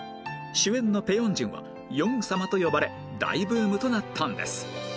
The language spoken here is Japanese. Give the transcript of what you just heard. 主演のペ・ヨンジュンはヨン様と呼ばれ大ブームとなったんです